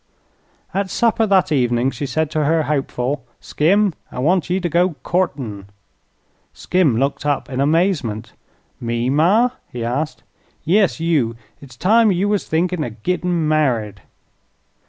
At supper that evening she said to her hopeful: "Skim, I want ye to go courtin'." Skim looked up in amazement. "Me, ma?" he asked. "Yes, you. It's time you was thinkin' of gittin' married."